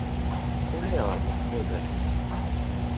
Ulayɣer ma teddiḍ ɣer din.